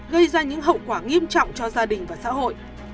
gây ra những hậu quả nghiêm trọng cho gia đình và xã hội